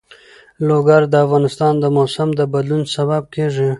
لوگر د افغانستان د موسم د بدلون سبب کېږي.